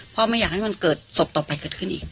ไม่อยากให้มันเกิดศพต่อไปเกิดขึ้นอีก